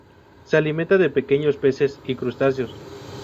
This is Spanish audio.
Se alimentan de pequeños peces y crustáceos.